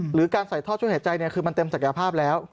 หรือการใส่ท่อช่วยหายใจคือมันเต็มศักยภาพแล้ว